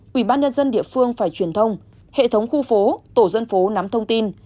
quỹ ban nhân dân địa phương phải truyền thông hệ thống khu phố tổ dân phố nắm thông tin